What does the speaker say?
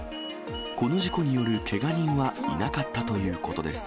この事故によるけが人はいなかったということです。